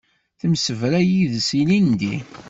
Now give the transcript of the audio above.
Temsebra yid-s ilindi.